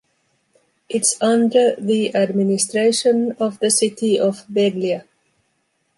It’s under the administration of the city of Veglia.